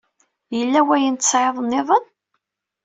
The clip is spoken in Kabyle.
Yella wayen tesɛiḍ nniḍen?